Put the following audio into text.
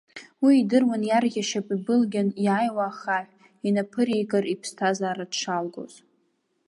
Уи идыруан иарӷьа шьап ибылгьан иаауа ахаҳә инаԥыреикыр, иԥсҭазаара дшалгоз.